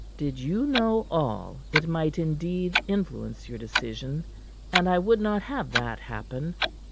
"Did you know all, it might indeed influence your decision; and I would not have that happen.